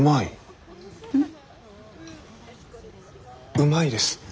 うまいです。